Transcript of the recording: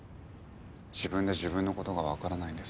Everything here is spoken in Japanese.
自分で自分の事がわからないんです。